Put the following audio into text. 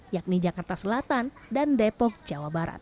yakni jakarta selatan dan depok jawa barat